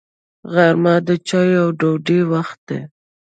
غرمه د چایو او ډوډۍ وخت وي